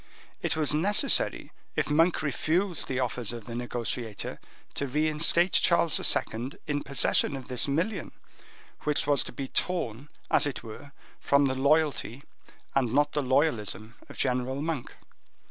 It was necessary, if Monk refused the offers of the negotiator, to reinstate King Charles II. in possession of this million, which was to be torn, as it were, from the loyalty and not the loyalism of General Monk.